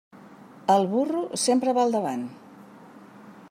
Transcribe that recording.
El burro sempre va al davant.